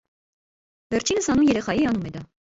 Վերջինս հանուն երեխայի անում է դա։